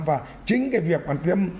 và chính cái việc mà tiêm